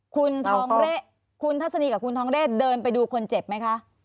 คุณทองคุณทัศนีกับคุณทองเรศเดินไปดูคนเจ็บไหมคะ